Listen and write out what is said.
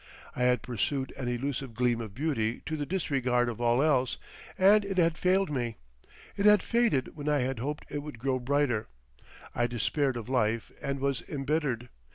I had pursued an elusive gleam of beauty to the disregard of all else, and it had failed me. It had faded when I had hoped it would grow brighter. I despaired of life and was embittered.